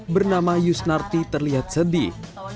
bernama yusnarti terlihat sedih